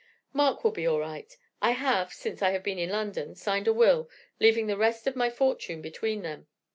"Mark will be all right. I have, since I have been in London, signed a will, leaving the rest of my fortune between them.